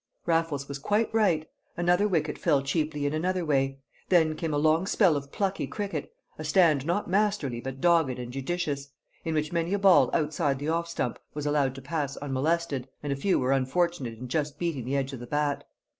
Raffles was quite right. Another wicket fell cheaply in another way; then came a long spell of plucky cricket, a stand not masterly but dogged and judicious, in which many a ball outside the off stump was allowed to pass unmolested, and a few were unfortunate in just beating the edge of the bat.